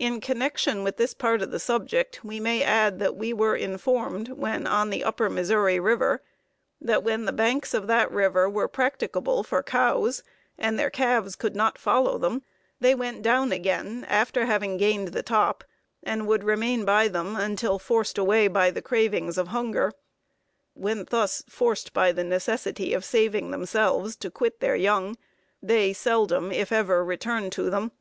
In connection with this part of the subject, we may add that we were informed, when on the Upper Missouri River, that when the banks of that river were practicable for cows, and their calves could not follow them, they went down again, after having gained the top, and would remain by them until forced away by the cravings of hunger. When thus forced by the necessity of saving themselves to quit their young, they seldom, if ever, return to them.